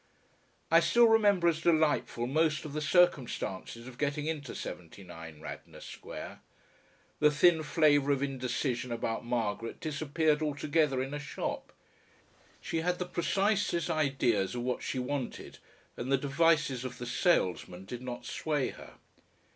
I still remember as delightful most of the circumstances of getting into 79, Radnor Square. The thin flavour of indecision about Margaret disappeared altogether in a shop; she had the precisest ideas of what she wanted, and the devices of the salesman did not sway her.